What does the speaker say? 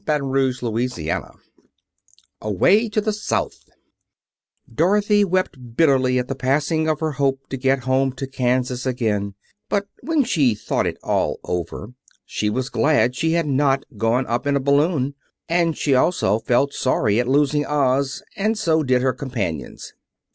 Chapter XVIII Away to the South Dorothy wept bitterly at the passing of her hope to get home to Kansas again; but when she thought it all over she was glad she had not gone up in a balloon. And she also felt sorry at losing Oz, and so did her companions.